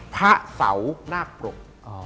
พระเสิลนากปรก